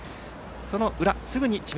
その裏、すぐに智弁